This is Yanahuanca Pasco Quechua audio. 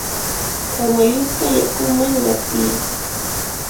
kawalluta yakuman qatiy.